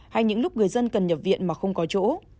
hay những lúc người dân cần nhập viện mà không có chỗ